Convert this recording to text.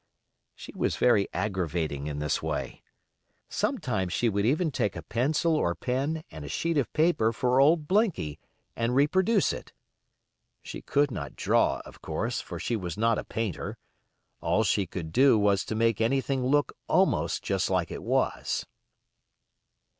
She was very aggravating in this way. Sometimes she would even take a pencil or pen and a sheet of paper for old Blinky, and reproduce it. She could not draw, of course, for she was not a painter; all she could do was to make anything look almost just like it was.